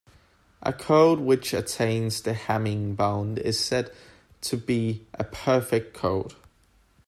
A code which attains the Hamming bound is said to be a perfect code.